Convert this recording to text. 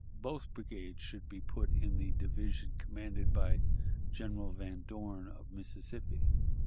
Both brigades should be put in the division commanded by General Van Dorn, of Mississippi.